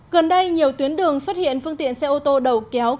gần đây nhiều tuyến đường xuất hiện phương tiện xe ô tô đầu kéo